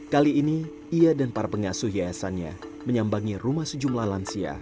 kali ini ia dan para pengasuh yayasannya menyambangi rumah sejumlah lansia